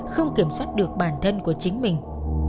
không kiểm soát được bản thân của chính mình